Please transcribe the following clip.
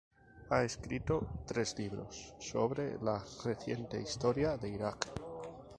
Ha escrito tres libros sobre la reciente historia de Irak.